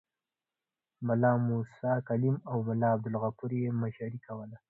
ملا موسی کلیم او ملا عبدالغفور یې مشري کوله.